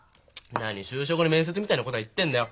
なに就職の面接みたいな答え言ってんだよ。